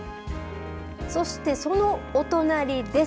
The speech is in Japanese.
そして、そのお隣です。